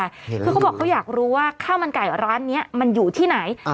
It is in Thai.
คือเขาบอกเขาอยากรู้ว่าข้าวมันไก่ร้านนี้มันอยู่ที่ไหน